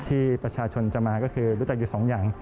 ที่ประชาชนจะมาก็คือรู้จักอยู่สองอย่าง